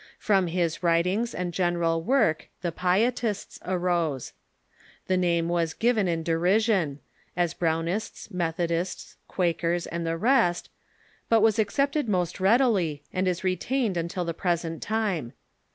From his Avritings and general work The Spener ^^ Pietists arose. The name was o;iven in derision — School ..^ as Brownists, Methodists, Quakers, and the rest — but was accepted most readily, and is retained until the present time.